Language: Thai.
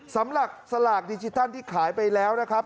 สำหรับสลากดิจิทัลที่ขายไปแล้วนะครับ